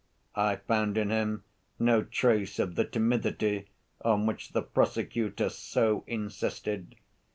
I found in him no trace of the timidity on which the prosecutor so insisted.